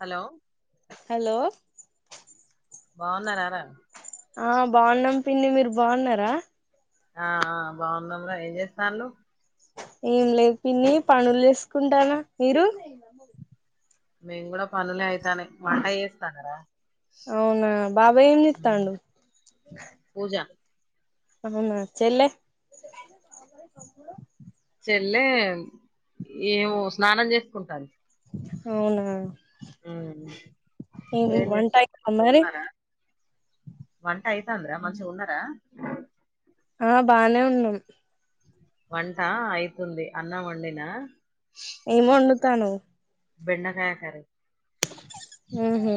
hello hello బావున్నర రా ఆ బావున్నాం పిన్ని మీర్ బావున్నరా ఆ ఆ బావున్నంరా ఎం జేస్తాండ్లు ఏం లేద్ పిన్ని పనులు జేస్కుంటాన్నా మీరు మేం గూడ పనులే ఐతాన్నాయ్ వంట ఏస్తన్నరా అవునా బాబాయ్ ఏం ఊ చెత్తాండు పూజా అవునా చెల్లె చెల్లె ఏమో స్నానం చేస్కుంటాం అవునా హ్మ్ ఏం మీరేం వంట చేస్తాన్నరు అయిందా మరి మంచిగున్నారా వంట అయితందిర మంచిగున్నార ఆ బానే ఉన్నాం వంట అయితుంది అన్నం వండిన ఏం వండుతాన్నావ్ బెండకాయ కర్రీ హ్మ్ హు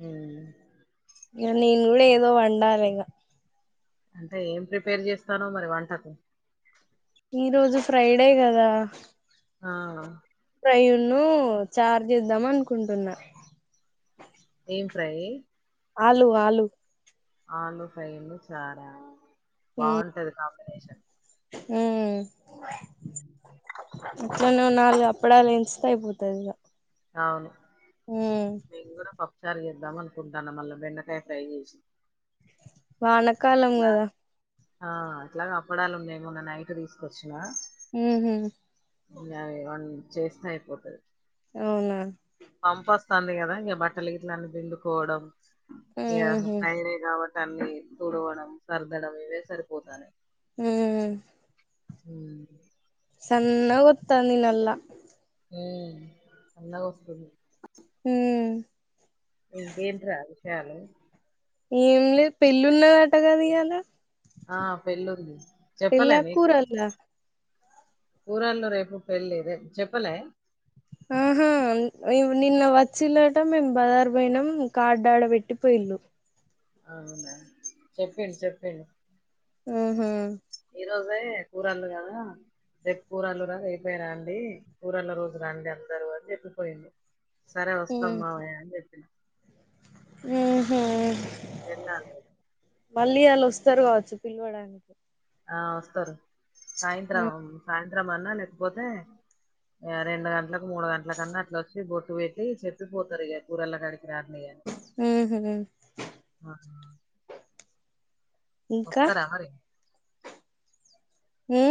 హ్మ్ ఇగ నేను కూడా ఏదో వండాలిగ అంటే ఎం ప్రిపేర్ చేస్తన్నావ్ మరి వంటకు ఈ రోజు ఫ్రైడే కదా ఆ ఫ్రై ఉన్ను చారు చేదాం అనుకుంటున్న ఏం ఫ్రయ్యి ఆలు ఆలు ఆలు ఫ్రై అండీ చారా బాగుంటది కమినేషన్ హ్మ్ ఎట్లనో నాలుగు అప్పడాలు ఏంచితే అయిపోతాది ఇగ అవును ఉమ్ మేము కూడా పప్పుచారు చేద్దాం అనుకుంటాన్న మళ్ళా బెండకాయ ఫ్రై చేస్ వానకాలం గదా ఆ ఏట్లాగో అప్పడాలు ఉన్నాయి మొన్న నైట్ తీసుకొచ్చిన హ్మ్ హు ఇంగ య్వన్ చేసినా అయిపోతది అవునా పంపొస్తంది కదా ఇగ బట్టల గిట్ల అన్ని పిండుకోవడం ఇగ ఉహు ఫ్రైడే కాబ ఇంక అన్నీ తుడవడం సర్దడం ఇవే సరిపోతానాయ్ హ్మ్ హ్మ్ సన్న గొత్తాది నల్ల హ్మ్ సన్న గోస్తుంది హ్మ్ ఇంకేంట్రా విషయాలు ఏం లే పెళ్ళి ఉన్నదట గదా ఇయాలా ఆ పెళ్లుంది చెప్పాల పెళ్ళా మీకు కూరల్లా కూరాళ్లో రేపు పెళ్ళి దే చెప్పలే ఆహా నిన్న వచ్చిలట మేము బజారు పోయినాం కార్డ్ ఆడ పెట్టి పోయిళ్ళు అవునా చెప్పిండు చెప్పిండు ఆహా ఈ రోజే కూరళ్ళు కదా రేపు కూరళ్లు రా రేపే రండి కూరళ్ళ రోజు రండి అందరు అని చెప్పిపోయింది సరే వస్తామ్ మావయ్య అని చెప్పిన ఆహ వెళ్ళాల మళ్ళీ ఇయ్యాల వస్తారు కావచ్చు పిలవడానికి ఆ వస్తారు సాయంత్రం సాయంత్రం అన్నా లేకపోతే రెండు గంటలకు మూడు గంటల కన్నా అట్లా వచ్చి బొట్టు పెట్టి చెప్పి పోతారు ఇక కూరళ కాడికి రాండి అని హూ హమ్ ఆ ఇంకా వత్తర మరి ఉ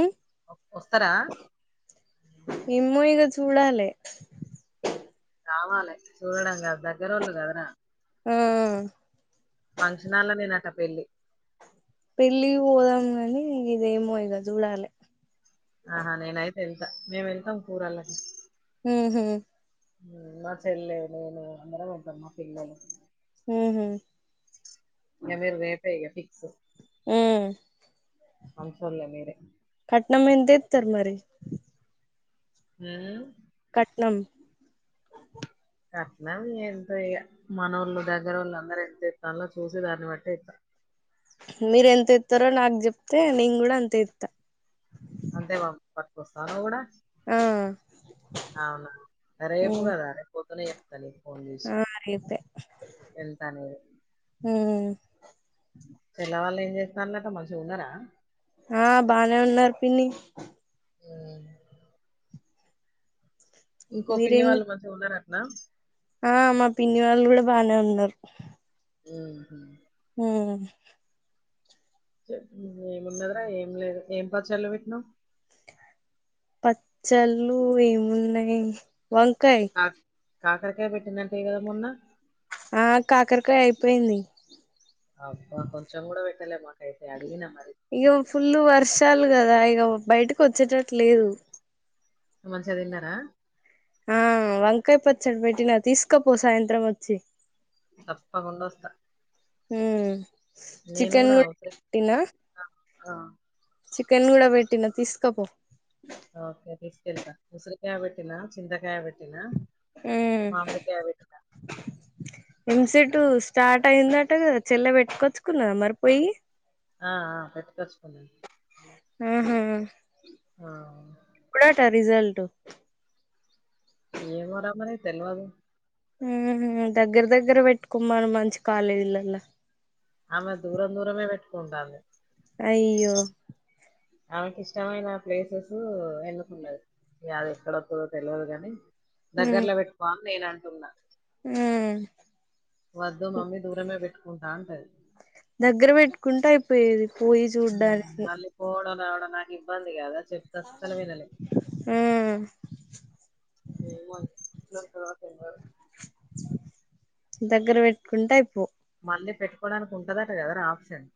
వస్తారా ఎమో ఇగ చూడాలే రావాలి చూడడం కాదు దగ్గరోళ్ళు కదరా ఆ ఫంక్షనాలో నేనట పెళ్ళి పెళ్ళకి పోదాం గానీ ఇదేమో ఇగ జూడాల ఆహా నేనయితే వెళ్తా మేము వెళ్తాం కూరళ్ళకి హూ హమ్ ఉం మా చెల్లె నేను అందరం పోతాం మా పిల్లలు హూ హమ్ ఇగ మీరు రేపే ఇగ ఫిక్స్ ఉమ్ మంచోల్లే మీరే కట్నం ఏంత ఇత్తరు మరి ఉం కట్నం కట్నం ఎంతో ఇగ మన వాళ్ళు దగ్గర వాళ్ళు అందరూ ఎంత ఇస్తాలో చూసి దాన్ని బట్టి ఇత్త మీర ఎంత ఇత్తరో నాకు చెప్తే నేను కూడా అంతే ఇస్తా అంతే పట్టుకొస్తావా నువ్వు కూడా ఆ అవునా రేపు కదా రేపు పొద్దున్నే చెప్తాలే అవును రేపే ఎంత అనేది ఉం పిల్ల వాళ్ళు ఏం చేస్తురన్నట మంచిగ ఉన్నరా ఆ బాగానే ఉన్నారు పిన్ని ఉం ఇంకో పిన్ని మీరేం వాళ్ళు మంచిగ ఉన్నారటనా ఆ మా పిన్ని వాళ్ళు కూడా బాగానే ఉన్నారు హూ హమ్ ఉం ఏమిండదరా ఏం లేదు ఏం పచ్చళ్ళు పెట్టినవ్ పచ్చళ్ళు ఏమున్నాయి వంకాయ కా కాకరకాయ పెట్టిందంటివి కధ మొన్న ఆ కాకరకాయ అయిపోయింది అబ్బా కొంచెం కూడా పెట్టలే మాకైతే అడిగిన మరి ఇగ ఫుల్ వర్షాలు కదా ఇగ బయటకి వచ్చేటట్టు లేదు మంచిగ తిన్నారా ఆ వంకాయ పచ్చడి పెట్టినా తీసుకపో సాయంత్రం వచ్చి తప్పకుండా వస్తా ఉ నేను కూడా అవుత అ అ చికెన్ కూడా పెట్టినా తీసుకపో ఓకే తీసుకెళ్తా ఉసిరికాయ పెట్టినా, చింతకాయ పెట్టినా ఉ మామిడికాయ పెట్టినా ఎంసటు స్టార్ట్ అయిందట కాద చెల్లె పెట్టుకొచ్చుకున్నాదా మరిపోయి ఆ అ పెట్టుకొచ్చుకుంది ఉహు ఆ ఎప్పుడట రిజల్ట్ ఏమో రా మరి తెలవదు ఉహు దగ్గర దగ్గర పెట్టుకుమను మంచి కాలేజీలలా ఆమె దూరం దూరమే పెట్టుకుంటంది, అయ్యో ఆమెకి ఇష్టమైన ప్లేసెస్ ఎంనుకున్నది, ఇగా అది ఎక్కడ వస్తాదో తెలవద్దు కానీ దగ్గర్ల పెట్టుకో అన్ని నేను అంటున్నా, ఉ వద్దు మమ్మీ దూరమే పెట్టుకుంటా అంటది దగ్గర పెట్టుకుంటే అయిపోయేది, పోయి హు చూడ్డానికి మళ్ళీ పోవడం రావడం నాకు ఇబ్బంది కాద చెప్తే అసలు వినాలే ఉమ్ ఏమో ఎట్లా అక్క ఏం కాదు దగ్గర పెట్టుకుంటే అయిపోవు మళ్ళీ పెట్టుకోవడానికి ఉంటదట కదారా ఆప్షన్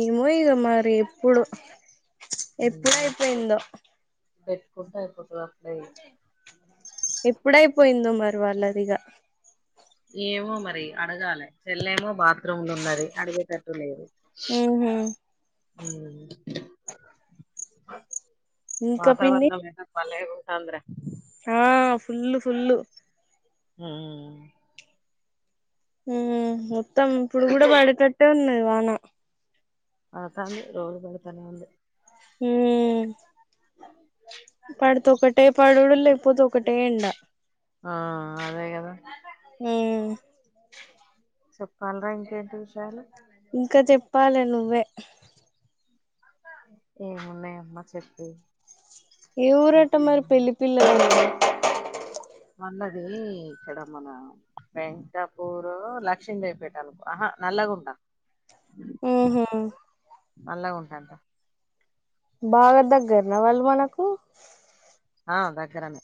ఏమో ఇగా మరి ఎప్పుడో ఆహా పెట్టుకుంటే అయిపోతాది అసల్ ఎప్పుడైపోయిందో మరి వాళ్ళదిగా ఏమో మరి అడగాలే చెల్లెమో బాత్రూమ్లు ఉన్నది అడిగేటట్టు లేదు ఉహు ఉ ఇంకా పిన్ని వాతావరణమైన భలేగా ఉంటంది రా ఆ ఫుల్ ఫుల్లు ఉ ఉ మొత్తం ఇప్పుడు కూడా పడేటట్టే ఉన్నది వాన పడతంది రోజు కొడతనే ఉంది, ఊ పడితే ఒకటే పడుడు లేకపోతే ఒకటే ఎండ ఆ అదే కదా ఉ చెప్పలరా ఇంకేంటి విషయాలు ఇంకా చెప్పాలే నువ్వే ఏమున్నయమ్మా చెప్పేవి ఏ ఊరట ఇది మరి పెళ్లి పిల్లది వాళ్లది ఇక్కడ మన వెంకటపూరు లక్షిందేవిపేట అనుకు ఆహా నల్లగుంట ఉహు నల్లగుంట అంట బాగా దగ్గరనా వాళ్ళు మనకు ఆ దగ్గరనే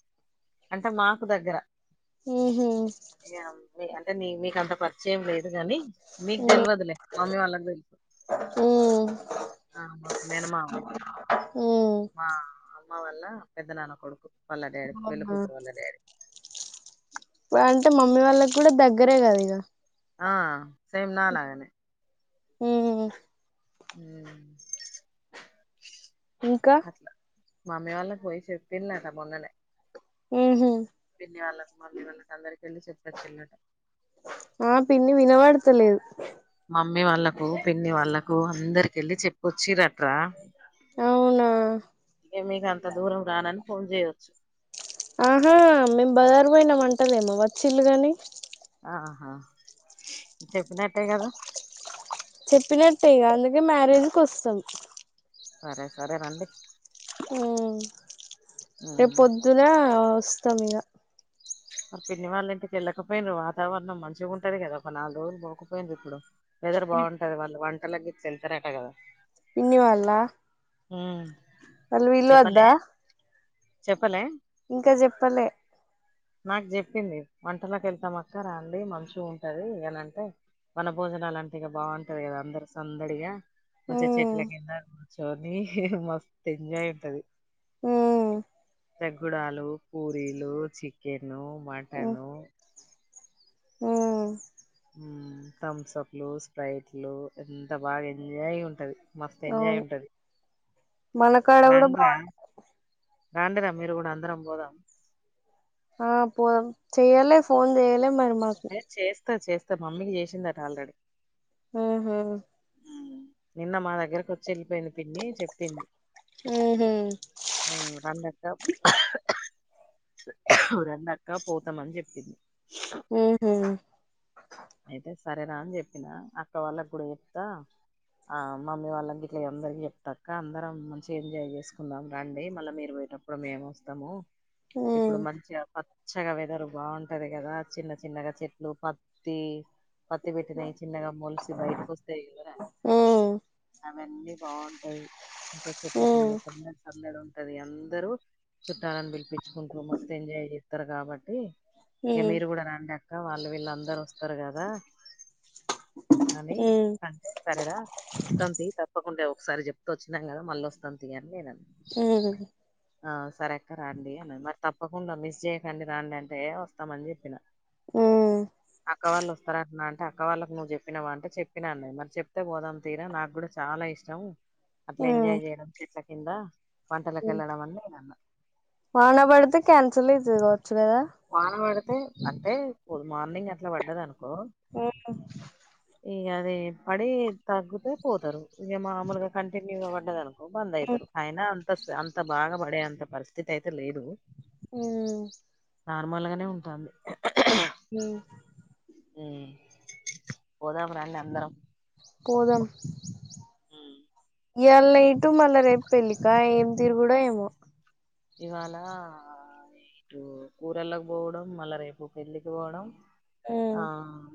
అంటే మాకు దగ్గర ఉహు ఇగ మీ అంటే నీ మీకు అంత పరిచయం లేదు గానీ మీకు తెలువదులే మమ్మీ వాళ్ళకి తెలుసు ఉ ఆహ మాకు మేనమామ అయితడు ఉ మా అమ్మ వాళ్ల పెద్ద నాన్న కొడుకు వాళ్ల డాడీ పెళ్లి అవునా కూతురు వాళ్ళ డాడీ వ అంటే మమ్మీ వాళ్ళకి కూడా దగ్గరే కదా ఇగ ఆ సేమ్ నాలాగానే ఉ ఉమ్ ఇంకా అట్లా మామ్మీ వాళ్ళకి పోయి చెప్పిల్లట మొన్ననే ఉహుమ్ పిన్ని వాళ్ళకి మమ్మీ వాళ్ళకి అందరికి వెళ్ళి చెప్పొచ్చిల్లుట ఆ పిన్ని వినవడుతలేదు మమ్మీ వాళ్ళకు పిన్ని వాళ్ళకు అందరికెళ్ళి చెప్పొచ్చిరట్రా అవునా ఇగ మీకు అంత దూరం రానని ఫోన్ చేయొచ్చు ఆహా మేము బజారు పోయినాం అంటలేమో వచ్చిల్ గాని ఆహా చెప్పినట్టే కదా చెప్పినట్టే ఇగ అందుకే మ్యారేజ్కి వస్తాం సరే సరే రండి ఉమ్ రేపు ఉమ్ పొద్దున వస్తాం ఇగ ఆ పిన్ని వాళ్ళ ఇంటికి వెళ్ళకపోయిండ్రు వాతావరణం మంచిగా ఉంటది కదా ఒక నాలుగు రోజులు పోకపోయిండ్రు ఇప్పుడు వెదర్ బాగుంటది వాళ్ళు వంటలకి గిట్ల వెళ్తరు అట కదా పిన్ని వాళ్ల ఉమ్ చెప్పలే చెప్పలే ఇంకా జేప్పలే నాకు చెప్పింది వంటలకి వెళ్తాం రాండ్లి మంచిగా ఉంటది అని అంటే వన భోజనాలు అంటే ఇగా బాగుంటది కదా అందరు సందడిగా మంచిగా ఉమ్ చెట్ల కింద కూర్చొని మస్త్ ఎంజాయ్ ఉంటది ఉమ్ పెగ్గుడాలు పూరీలు చికెన్ ఉమ్ మటను ఉమ్ ఉమ్ థమ్సప్లు స్ప్రైట్లు ఎంత బాగా ఎంజాయ్ గా ఉంటది మస్త్ ఎంజాయ్ అవును ఉంటది మనకాడ కూడా రండ్రా బాగుంట రాండిరా మీరు కూడా అందరం పోదాం ఆ పోదాం చేయలే ఫోన్ చేయలే మరి మాకు ఏ చేస్తాది చేస్తాది మమ్మీకి చేసిందిట ఆల్రెడీ ఆహా ఉమ్ నిన్న మా దగ్గరకి వచ్చి వెళ్ళిపోయింది పిన్ని చెప్పింది ఉహుమ్ ఉమ్ రండక్క రండక్క పోతామని చెప్పింది ఎట్లేదు అయితే సరేరా అని చెప్పినా అక్క వాళ్ళ కూడా చెప్తా ఆ మమ్మీ వాళ్ళకి ఇట్లా అందరి చెప్తాఅక్క అందరం మంచిగ ఎంజాయ్ చేసుకుందాం రండి మళ్ళీ మీరు పోయటప్పుడు మేము వస్తాము ఉమ్ ఇప్పుడు మంచిగా పచ్చగా వెదరు బాగుంటది కదా చిన్న చిన్నగా చెట్లు ప త్తి పత్తి పెట్టినయి చిన్నగా మోల్స్ బయటకు వస్తాయి ఎవరా ఉమ్ అవన్నీ బాగుంటాయి ఇ చెట్ల కింద ఉమ్ సంద సందడి ఉంటది అందరు చుట్టాలని పిలిపిచ్ కు మస్త్ ఎంజాయ్ చేస్తారు కాబట్టి ఇక ఉమ్ మీరు కూడా రండి అక్క వాళ్ళు వీళ్ళ అందరు వస్త వస్తారు కదా అని ఉమ్ అంటే సరేరా వస్తాంతి తప్పకుండా ఒకసారి చెప్తూ వచ్చినాను కదా మళ్ళీ వస్తాంతి అని నేను అన్న ఉ ఆ సరెక్క రండి అ మరి తప్పకుండా మిస్ చేయకండి రండి అంటే ఏ వస్తామని చెప్పిన ఉ అక్కవాళ్ళు వస్తారంటనా అంటే అక్క వాళ్ళకు నువ్వు చెప్పినవ అంటే చెప్పిన అన్నడు మరి చెప్తే పోదాం తీరా నాకు కూడా చాలా ఇష్ అట్లా ఉమ్ ఎంజాయ్ చేయడం చెట్ల కింద వంటలకు వెళ్ళడం అని నీనన్న వానబడితే క్యాన్సల్ ఐతది కావచ్చు కదా వాన పడితే అంటే పోదు మార్నింగ్ అట్లా పడ్డది అనుకో ఓ ఇక అది పడి తగ్గితే పోతరు ఇక మామూలుగా కంటిన్యూగా పడ్డదనుకో బంద్ ఐతరు అయిన అంత అంత బాగా పడే అంత పరిస్థితి అయితే లేదు ఉ నార్మల్గానే ఉంటంది ఉ ఉ పోదాము రండి అందరం పోదం మ్మ్ ఇయళ్ళ ఇటు మళ్ళా రేపు పెళ్ళిక ఏం తిరుగుడో ఏమో ఇవాళ ఇటు కూరళ్ళకపోవడం మళ్ళా రేపు పెళ్ళికి పోవడం ఉమ్ ఆ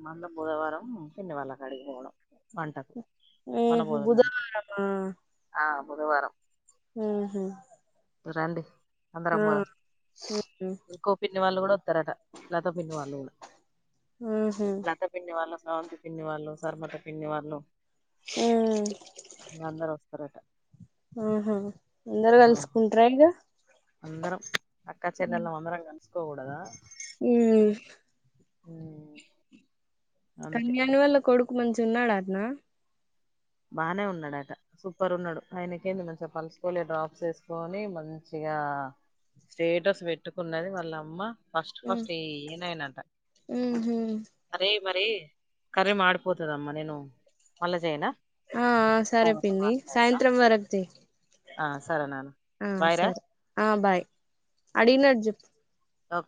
మల్ల బుధవారం పిన్ని వాళ్ళ కాడికిపోవడం వంటకు ఉహు వనభోజనాలు బుధవారమా ఆ బుధవారం హహ రండి అందరం పోధం ఉహు ఇంకో పిన్ని వాళ్ళు కూడా వత్తరట లత పిన్ని వాళ్ళు కూడా ఆహ లత పిన్ని వాళ్ళు స్రవంతి పిన్ని వాళ్ళు శర్మత పిన్ని వాళ్ళు మ్మ్ అందరు వస్తరట ఆహా అందరు కలుసుకుంట్ర ఇగ అందరం అక్కా చెల్లలం అందరం కలుసుకోగూడదా ఉ మ్మ్ కన్యాని వాల్ల కొడుకు మంచి ఉన్నాడటన బానే ఉన్నాడట సూపర్ ఉన్నడు ఆయనకేమి మంచిగా పల్స్ పోలియో డ్రాప్స్ వేసుకొని మంచిగా స్టేటస్ పెట్టుకున్నది వాళ్ళమ్మ ఫస్ట్ ఉమ్ ఫస్ట్ ఈయనేనంట ఉహు అరే మరి కర్రీ మాడిపోతాదమ్మా నేను మళ్ళా చేయనా ఆ ఆ సరే తర్వాత పిన్ని మాట్లాడతా సాయంత్రం వరకు చేయ్ ఆ సరే నాన్న ఆ బాయ్ రా సరే ఆ బాయ్ అడిగినట్టు చేప్ ఓక్